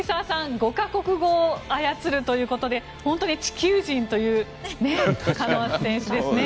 ５か国語を操るということで本当に地球人というカノア選手ですね。